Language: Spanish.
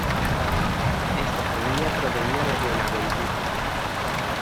Esta familia provenía de Buenaventura.